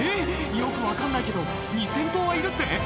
よく分かんないけど２０００頭はいるって？